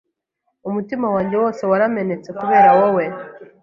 umutima wanjye wose waramenetse kubera wowe